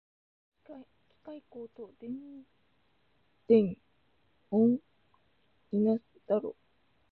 機械工と電電女の子いなさすぎだろ